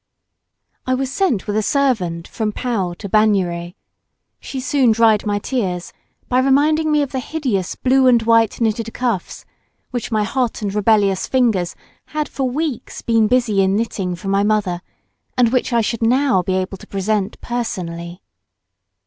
I was sent with a servant from Pau to Bagnères. She soon dried my tears by reminding me of the hideous blue and white knitted cuffs which my hot and rebellious fingers had for weeks been busy in knitting for my mother, and which I should now be able to present personally.